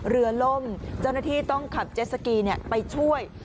เรือล่มเจ้าหน้าที่ต้องขับเจสสกีเนี่ยไปช่วยค่ะ